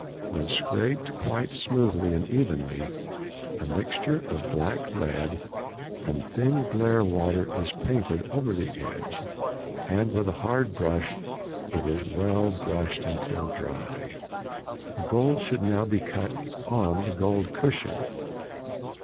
When scraped quite smoothly and evenly, a mixture of black lead and thin glaire water is painted over the edge, and with a hard brush it is well brushed until dry. The gold should now be cut on the gold cushion.